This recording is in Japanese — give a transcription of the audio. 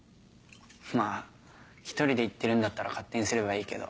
まぁ１人で行ってるんだったら勝手にすればいいけど。